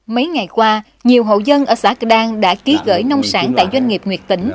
mấy ngày qua nhiều hậu dân ở xã cửa đang đã ký gỡi nông sản tại doanh nghiệp nguyệt tỉnh